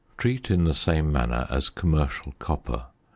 ~ Treat in the same manner as commercial copper.